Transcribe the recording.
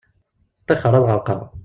Ṭṭixer ad ɣerqeɣ.